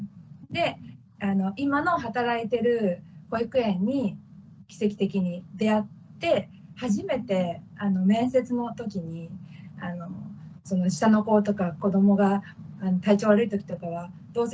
で今の働いてる保育園に奇跡的に出会って初めて面接のときに下の子とか子どもが体調悪いときとかはどうするんですか？